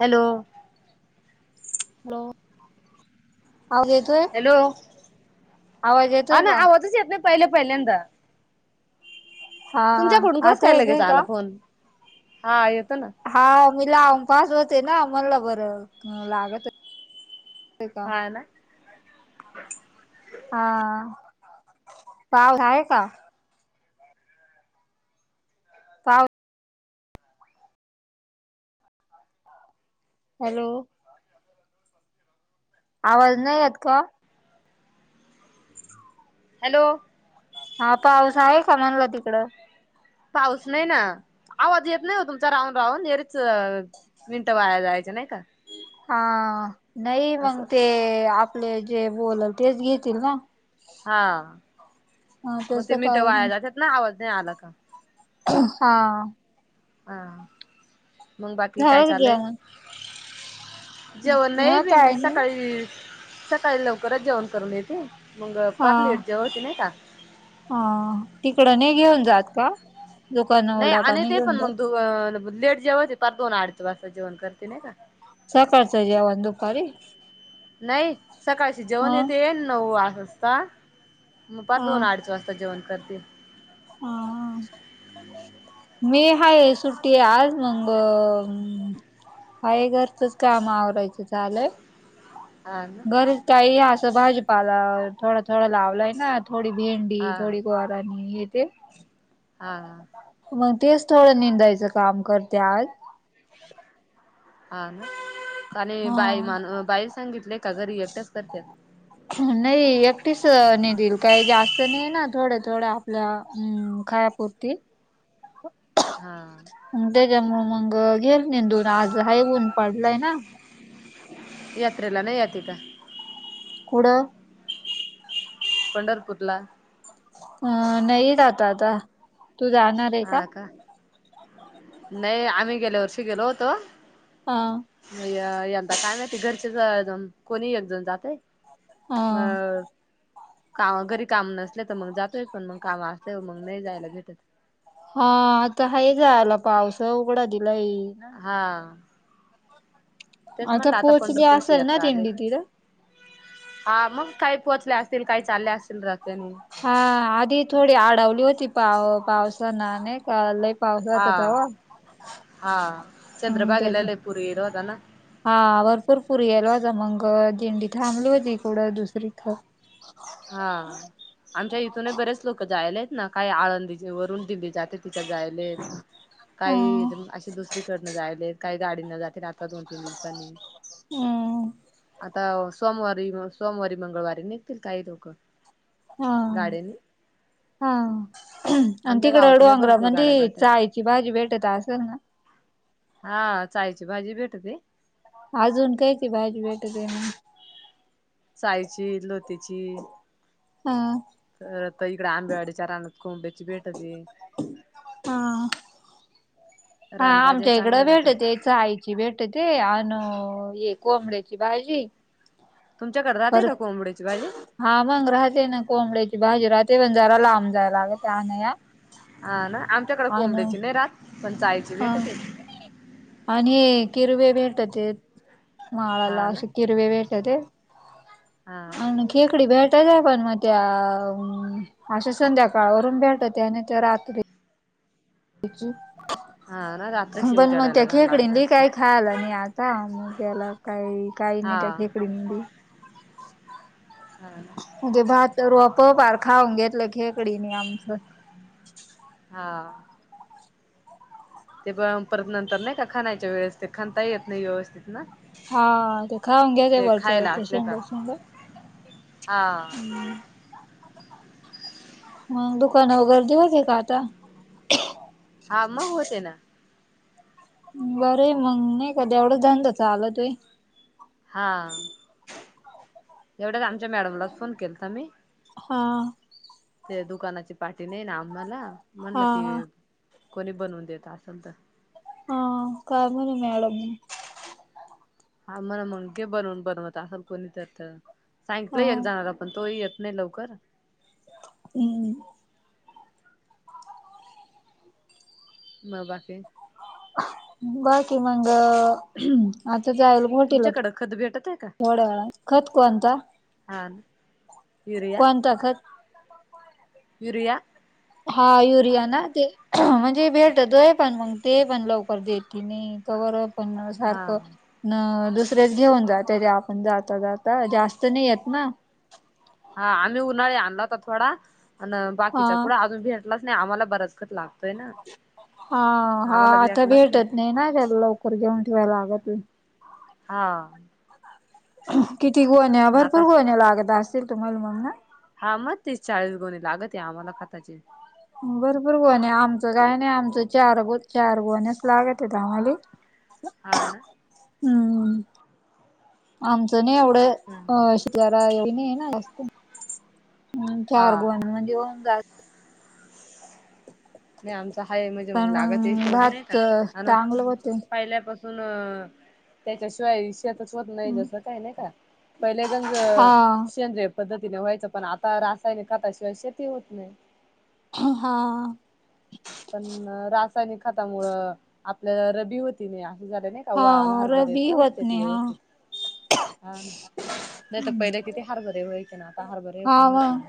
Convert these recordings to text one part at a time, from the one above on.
Hello hello आवाज येतो hello येतोय होना का आवाज येत नाही पहिले पहिल्यांदा हा हा तुमच्याकुडून कस आता काय लगेच येतोय का आला फोन हा आ येतो ना हा मी लामपास होते ना आमला बरं लागत हो का हा ना हाव आहे का पाव हॅलो आवाज नाही आहेत का हॅलो हा पाऊस आहे का म्हनला तिकडं पाऊस नाही ना आवाज येत नाही हो तुमचा राहून राहून हेरीच मिंट वायला जायच नाही का हा नाही असं मंग ते आपले जे बलाल तेच घेतील ना हा हा मग तसं तेनी ते काही वाया नाही जातात ना आवाज नाही आला का [unintelligible] हा हा मग बाकी काय झालं का चालय जेवण जेवण नाही मग मी काय मी नाही सकाळी सकाळी लवकरच जेवण करून येते मग पार लट जेव्हाची नाही का ह तिकडं नाही घेऊन जात का नाही आणि दुकानावरडापाणी ते घेऊन पण जात लेट जेवते पर दोन आठच वाज जेवण करते नाही का सकारता्या वंद दुपारी नाही सकाळशी ह जेवण येते येन नऊ वाजता पर हा दोन आड स्वस्त जेवण करतील हा हा मी हाय सुट्टी आज मग अय घरचंच काम आवरायचं झालंय हा ना बर काही असं भाजीपाला थोडं थोडं लावलंय ना थोडी भेंडी हा थोडी ग्ारनी हे ते हा मग तेच थोडं निंदायचं काम करतेत अ ना आणिणी बाई मण बाई सांगितलेय का ग रिएक्टच करत नाही एकटीच नाही देल काही जास्त नाही ना थोडे थोडे आपल्या अ खायापुरती हा मग त्याच्यामु मग घेल नेंदून आज हा ऊन पडलाय ना यात्रेला नाही या का कुडं? पंढरपूर ला. अं नाही जात आता, तू जाणार आहे का? नाही आम्ही गेल्या वर्षी गेलो होतो. हा. यंदा काय माहिती, घरचेच कोणी एक जण जातय. ह ब काम घरी काम नसले तर, मग जातोय पण मग काम असल्यावर मग नाही जायला भेटत. हा आता हाये जायला, पावस उघडा दिलाय ना हा, तेच म्हणलं आता पोहोचली पंढरपूरची असेल ना यात्रा आली. दिंडी तिथं हा मग काही पोहोचले असतील, काही चालले असतील रत्याने. हा आधी थोडी आडवली होती पाव पावसान नाही का लई हा. हा. हम्म तेच चंद्रभागेला लई पुर येइल होतना. हा भरपूरपूर ये्येल होता, मंग दिंडी थांबली होती कूडं दुसरी क [unintelligible] हा आमच्या इथूनही बरेच लोक जायेले त ना, काही आळंदी वरून दिंडी जाते. तिच्यात जायलेत ह काही अशे दुसरीकडन जायलेत. काही गाडी न जाते आता दोन तीन दिवसांनी. हम. आता सोमवारी, सोमवारी मंगळवारी निघतील काही लोक. हा. गाड्यानी हा अनं आमच्या तिकडे गावातूनही भरपूर डोंगरामदि गाड्या जातात. चाईची भाजी भेटत असेल ना? हा चाईची भाजी भेटती. अजून काईची भाजी भेटती मग? साचायची, लुतेची. हा. तर इकडे आंबेवाडीच्या रानात कोंब्याड्याची भेटती. हा. हा रानभाज्या आमच्या इकडं चांगल्या राहतात. भेटती चाई. भेटती अन, ये कोंबड्याची भाजी तुमच्याकडे राहते पर का कोंबड्याची भाजी? हा मंग राहते ना कोंबड्याची भाजी राहते, पण जरा लांब जाय लागत आणाया. हा ना, आमच्याकडे अन कोंबड्याची नाही राहत पण चाईची हा भेटती. आणि किरवे भेटतेत, माळाला हा ना असे किरवे भेटते. हा. आणि खेकडी भेटत्या पण मग त्या अशा संध्याकाळवरून भेटात्या नाहीतर रात्री च [unintelligible] हाना रात्री पण मग त्या खेकडीन ले काही खायला नाही आता, मग त्याला काही काही नाही हा त्या खेकडीनबी ह [unintelligible] हा. म्हणजे भात रोप पण खाऊन घेतलं खेकडीने आमचं. हा. ते प परत नंतर नाही का खनायच्या वेळेस, ते खनता येत नाही व्यवस्थित ना हा ते खाऊन घेतय ते वरचे खायला वरचे असले का शेंडे शेंडे हा. म दुकानंवर गर्दी होती का आता? हा मग होती ना. बरं मग नाही का तेवढाचं धंदा चालतो. हा एवढ्याच आमच्या मॅडमला फोन केला मी. हा. ते दुकानाची पाठी नाही ना आम्हाला म्हणलं हा ती हा कोणी बनवून देत असल तर. हा का बर मॅडम. हा मला मगे बनवून बनवत असल कोणी तर तर सांगलं हा एक जणला पण तोही येत. नाही लवकर. हम्म. म बाकी. हो बाकी मंग आता जायलु. होटेलत तुमच्याकडं खत भेटत आहे का वड्याळला खतकोता. हा. युरिया कोणता खत. युरिया. हा युरिया ना ते म्हणजे भेट दो पण मग. ते पण लवकर देततील नाही कवरप पण हा सारखं. न दुसरेच घेऊन जाात तेे आपण जाता जाता जास्त नाही येत ना. हा आम्ही उन्हाळी आणला होता थोडा अन हा बाकीचा कुड अजून भेटलाच नाही आम्हाला बरच खत लागत. हा हा आता भेटत नाही ना त्याला लवकर घेऊन ठेवायला लागत. हा. किती गोण्या पण भरपूर आता गोण्या लागत असतील तुम्हाला मग ह. हा मग तीस चाळीस गुणी लागत या आम्हाला खाताचे. भरपूर गोवन आमचं काय नाही आमचं चार ग चार गोवणस लागत्यात आम्हाले. ह [inaudible] हा ना. हम्म आमचं नाही एवढं अ शे जरा नाही ना जास्त हं हा चार गोण्या म्हणजे होन जात. नाही आमचा हाय म्हणजे पण मग लागत आहे. सोड नाही का भात आन चांगलं होते पहिल्या बघ. पण त्याच्या शिवाय शेत. बसवत नाही जसं काही नाही का पहिलेगंज हा शेंद्रेय. पद्धतीने व्हायचं पण आता रासायनिक खताशिवाय शेती होत नाही. हा. पण रासायनिक खातामुळ आपल्याला रबी होती नाही असं झाले नाही. हा कावा आल्हार [unintelligible] बर रबी क होत होतय नाही हा व्यवस्थित हा ना नाही तर पहिले किती हरभरे होई की ना आता हरभरे पण हा होते मग ना.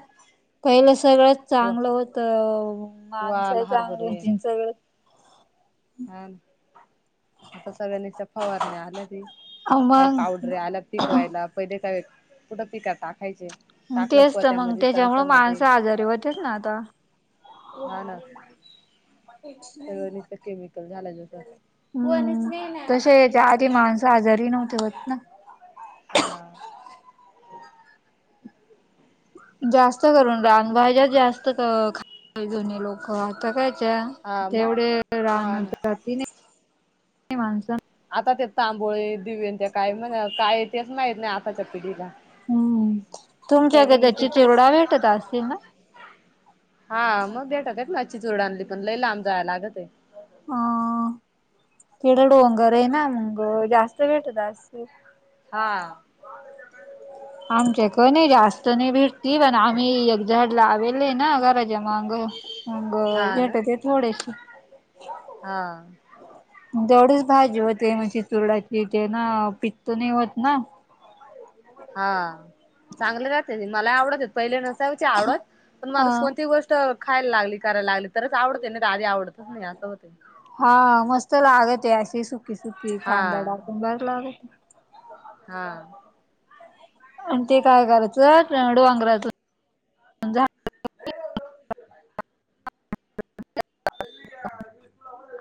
पहिलं सगळंच चांगलं होतं वाल माणसं चांगली हरभरे होती सगळच. हा आता सगळ्यांनी फवारणी आल्या ती काही मग पाऊस. रे आल्या पिक व्हायला पहिले काय कुठं पिक टाकायचे. टाकलं तेच तर मग पोत्यामध्ये त्याच्यामुळ तणसामध्ये माणसा आजारी होत्यात ना आता. हा ना सगळं नसत केमिकल झालंय जस. हं तसेच्या आधी माणसं आजारी नव्हती होत ना. हां. जास्त करून रान भाज्या जास्त खा जुनी लोक. हो आता कायच्या हा ते मग एवढे हा राहण ना तर [inaudible] राी नाही माणस आता ते तांबोळे दिवेन त्या काय म्हणा काय तेच माहत नाही आताच्या पिढीला. हम्म पहिले तुमच्याकडे निस्ते त्याची तेच. चुरडा भेटत असतील ना हा मग भेटात ना अच्चीचोड आणली पण लई लांब जायला लागते. ह कितीड डोंगर आहे ना मंग जास्त भेटत असेल. हा. आमच्याक नाही जास्त नाही भिटती पण आम्ही एकझड लावेले ना घराच्या माग. मंग हा ना भेटते थोडेशे. हा जवढच भाजी होते म्हण चुरडाची ते ना पित्त नाही होत. ना हा चांगलं जाते. मला आवडत य पहिले नसाय आवडत. पण अ माणू कोणती गोष्ट खायला लागली करायला लागली. तरच आवडते ना द आधी आवडतच नाही असं होते हा मस्त लागत आहे. अशी सुकीी सुकीी खांदा हा डाकण बर लागतं हा आणि ते काय करायचंड वांगरायचं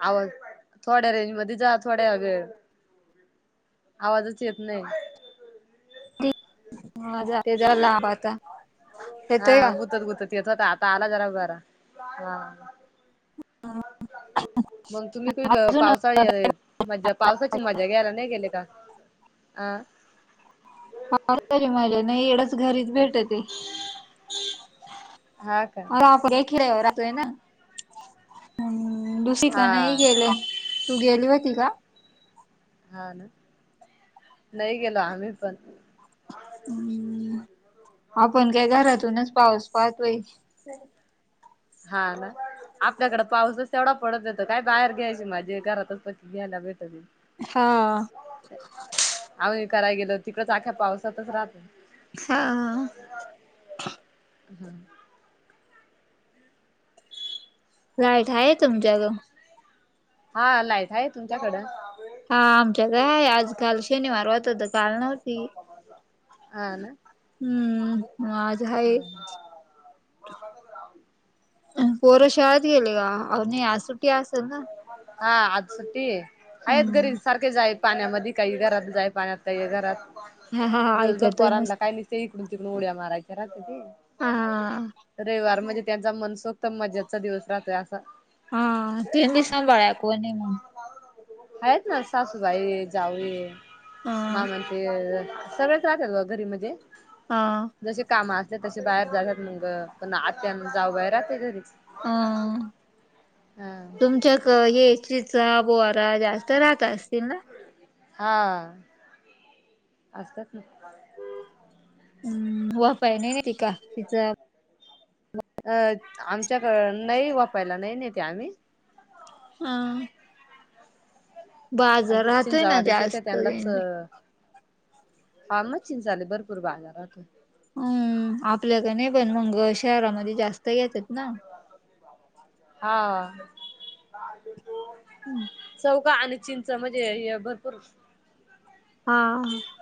आवा थोड्या रेंज मध्ये जा थोड्या वेळ आवाजचेत नाहीय ह जाते जरा लांब आता हा येतोय का गुतत गुतत येत होता. आता आला जरा बरा हां व मग तुम्हीु अजून पावसाळी मजा पावसाची म्जा घ्यायला नाही गेले का? अ पात रे माझ्या नाही एवढंच घरीच भेटत हा का म आप एकील राहतोय ना हम् हा दुसिकन ह गेले तू गेली होती का हा ना नाही गेलो आम्ही पण हम्म आपण काय घरातूनच पाऊस पाहतोय हा ना आपल्याकडे पाऊसच तेवढा पडत येतो काय बाहेर घ्यायची माझी घरातच प घ्यायला भेटते हा आही करायला गेलो तिकडच आख्या पावसातच राहतो हा हम् राईट आहे तुमच्याक हा लाईट आहे तुमच्याकडं हा आमच्या काय आजकाल शनिवार होत तर काल नव्हती हा ना. हम्म आज हाय पोर शाळेत गेले का सुटी असेल ना हा आ सुतती अयत गरी हम्म सारकार पाण्यामध्ये काही घरात जाय पाण्यात काही घरात हा हा दिवसभर ऐकतच पोरांना नसतील काय लि इकडून तिकडून उड्या मारायच्या राहते हा ते रविवार म्हणजे त्यांचा मनसोक्त मजाचा दिवस राहतोय असं हा तीन दिस बाळ्याकू मग आहेत ना सासूबाई जाऊ ह हा म्हणज सगळेच राहतात बा घरी म्हणजे हा जशी काम असत तसे बाहेर जातात मग पण आत्या जाऊ बाहेरहात तरी हा तुमच्या ये चिचा बोहार जास्त राहत असतील ना हा असतच ना हम् वाफ आहे नाही ना त का तिचा अ आमच्याक नाही वापायला नाही नेते आम्ही हां अे राहतोय चिंचा ना वाारीच येते जास्त त्यांनाच फमचिं चाले भरपूर बाजारात अम आपल्याक नाही पण मंग शहरामध्ये जास्त घेतात ना हा हम्म चव का, आणि चिंच म्हणजे हे भरपूर हा हा